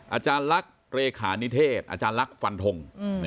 อาจารย์ลักษณ์เลขานิเทศอาจารย์ลักษณ์ฟันทง